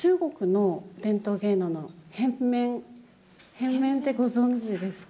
変面ってご存じですか？